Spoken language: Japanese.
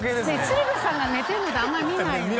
鶴瓶さんが寝てるのってあんまり見ないよね？